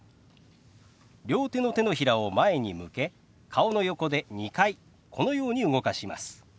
両手の手のひらを前に向け顔の横で２回このように動かします。